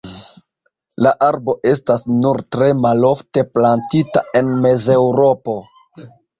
La arbo estas nur tre malofte plantita en Mezeŭropo.